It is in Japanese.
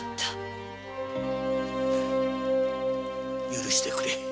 許してくれ。